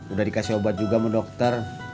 udah dikasih obat juga sama dokter